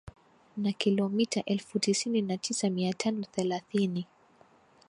na kilometa elfu tisini na tisa mia tano thelathini